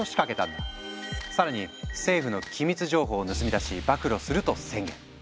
更に政府の機密情報を盗み出し暴露すると宣言。